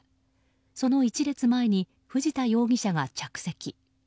その１列前に藤田容疑者が着席。